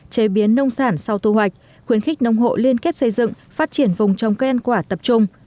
chế biến nông sản sau thu hoạch khuyến khích nông hộ liên kết xây dựng phát triển vùng trồng cây ăn quả tập trung